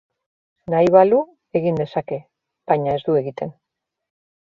Nahi balu, egin dezake, baina ez du egiten.